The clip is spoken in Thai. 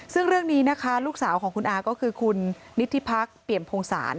ซึ่งเรื่องนี้นะคะลูกสาวของคุณอาก็คือคุณนิธิพักษ์เปี่ยมพงศาล